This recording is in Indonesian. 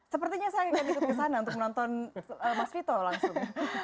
sepertinya saya akan ikut ke sana untuk menonton mas vito langsung